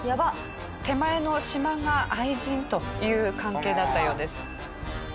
手前のしまが愛人という関係だったようです。